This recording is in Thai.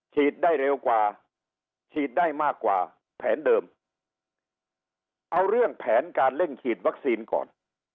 ได้เร็วกว่าฉีดได้มากกว่าแผนเดิมเอาเรื่องแผนการเร่งฉีดวัคซีนก่อน